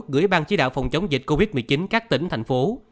gửi ban chí đạo phòng chống dịch covid một mươi chín các tỉnh thành phố